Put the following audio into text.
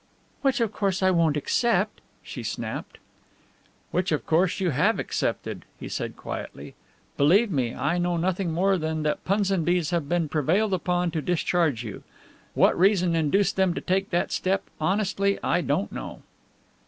"Which, of course, I won't accept," she snapped. "Which, of course, you have accepted," he said quietly. "Believe me, I know nothing more than that Punsonby's have been prevailed upon to discharge you. What reason induced them to take that step, honestly I don't know."